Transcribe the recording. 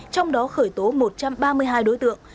trong đó khởi tố một trăm ba mươi hai đối tượng